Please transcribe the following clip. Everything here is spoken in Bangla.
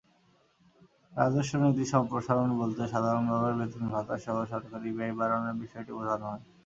রাজস্ব নীতি সম্প্রসারণ বলতে সাধারণভাবে বেতন-ভাতাসহ সরকারি ব্যয় বাড়ানোর বিষয়টি বোঝানো হয়।